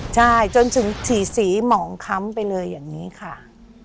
ใช่จนถึงฉี่สีหมองค้ำไปเลยอย่างนี้ค่ะ